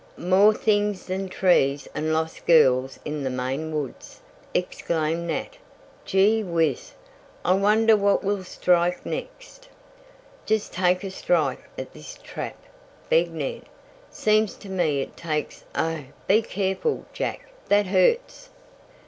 "More things than trees and lost girls in the Maine woods," exclaimed Nat. "Gee whiz! I wonder what we'll strike next." "Just take a strike at this trap," begged Ned. "Seems to me it takes oh! be careful, Jack, that hurts!"